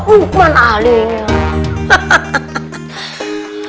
uman ahli ini lah